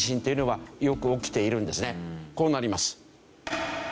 こうなります。